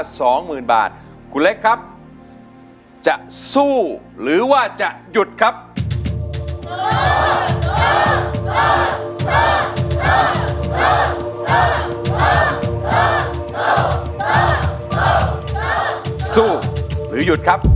จะสู้แต่ใช้ตัวช่วยหรือไม่ใช้ตัวช่วย